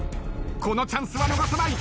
このチャンスは逃さない。